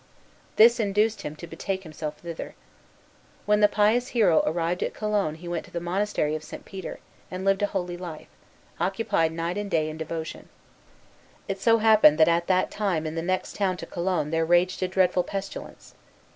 This induced him to betake himself thither. When the pious hero arrived at Cologne he went to the monastery of St. Peter, and lived a holy life, occupied night and day in devotion. It so happened that at that time in the next town to Cologne there raged a dreadful pestilence.